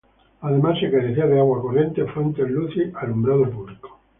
Además se carecía de agua corriente, fuentes, luz y alumbrado público.